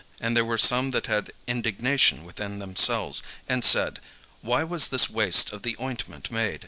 And there were some that had indignation within themselves, and said, "Why was this waste of the ointment made?